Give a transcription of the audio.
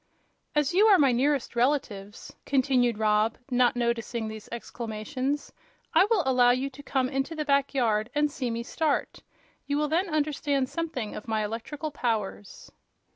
"As you are my nearest relatives," continued Rob, not noticing these exclamations, "I will allow you to come into the back yard and see me start. You will then understand something of my electrical powers."